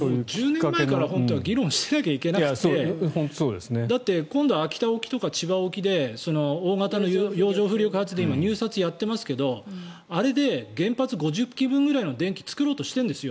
１０年前から本当は議論してなきゃいけなくてだって、今度秋田沖とか千葉沖で大型の洋上風力発電が今、入札をやっていますが今、原発５０基分の電力を作ろうとしてるんです。